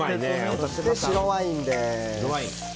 そして白ワインです。